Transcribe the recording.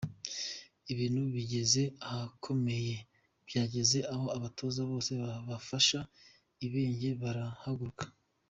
Ibintu bigeze ahakomeye! Byageze aho abatoza bose bafasha Ibenge barahaguruka .